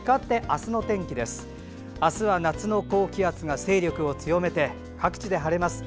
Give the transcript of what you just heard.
あすは夏の高気圧が勢力を強めて各地で晴れます。